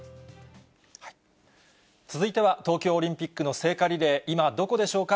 続いては東京オリンピックの聖火リレー、今どこでしょうか？